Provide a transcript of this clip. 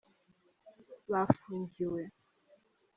bafungiwe.